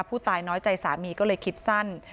ผู้ตายน้อยใจสามีก็เลยคิดสั้น